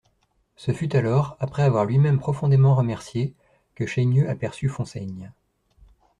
Ce fut alors, après avoir lui-même profondément remercié, que Chaigneux aperçut Fonsègue.